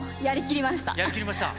やりきりました？